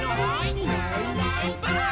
「いないいないばあっ！」